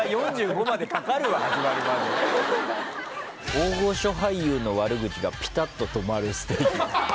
大御所俳優の悪口がピタッと止まるステーキ。